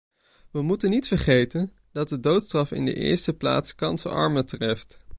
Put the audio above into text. We moeten niet vergeten dat de doodstraf in de eerste plaats kansarmen treft.